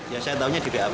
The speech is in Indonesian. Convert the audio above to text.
ya saya taunya di bap